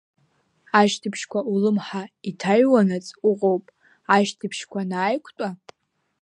Ашьҭыбжьқәа улымҳа иҭаҩуанаҵ уҟоуп, ашьҭыбжьқәа анааиқәтәа…